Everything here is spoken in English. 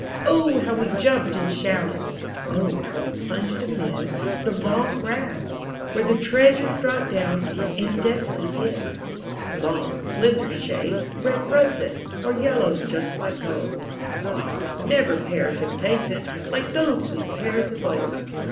O, how we jumped and shouted! O, how we plunged amid The long grass, where the treasures Dropped down and deftly hid; 143 MY BOOK HOUSE Long, slender shaped, red russet, Or yellow just like gold; Ah! never pears have tasted Like those sweet pears of old!